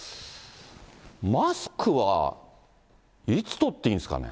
マスクはいつとっていいんですかね？